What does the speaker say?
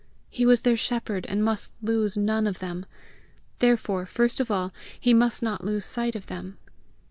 He was their shepherd, and must lose none of them! therefore, first of all, he must not lose sight of them!